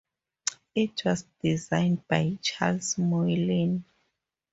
It was designed by Charles Moylan.